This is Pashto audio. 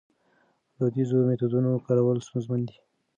د دودیزو میتودونو کارول ستونزمن دي.